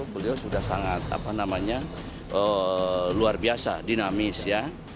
beliau sudah sangat luar biasa dinamis ya